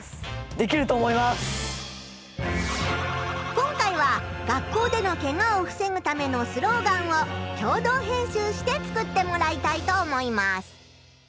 今回は学校でのケガを防ぐためのスローガンを共同編集して作ってもらいたいと思います。